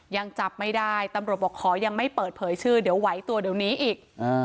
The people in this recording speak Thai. ยังจับไม่ได้ตำรวจบอกขอยังไม่เปิดเผยชื่อเดี๋ยวไหวตัวเดี๋ยวนี้อีก